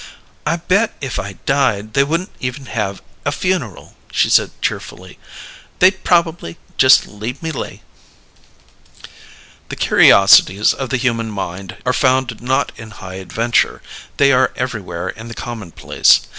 "I bet if I died, they wouldn't even have a funeral," she said cheerfully. "They'd proba'ly just leave me lay." The curiosities of the human mind are found not in high adventure: they are everywhere in the commonplace.